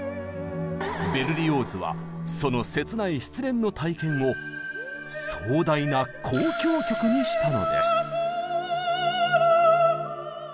ベルリオーズはその切ない失恋の体験を壮大な交響曲にしたのです！